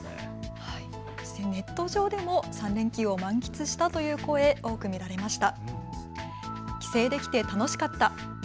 ネット上でも３連休を満喫したという声、多く見られました。